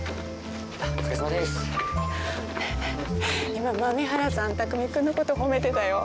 今豆原さん匠君のこと褒めてたよ。